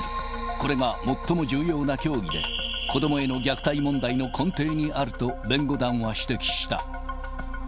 これが最も重要な教義で、子どもへの虐待問題の根底にあると弁護団は指摘した。